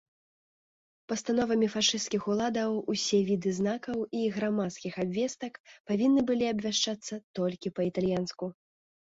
Пастановамі фашысцкіх уладаў усе віды знакаў і грамадскіх абвестак павінны былі абвяшчацца толькі па-італьянску.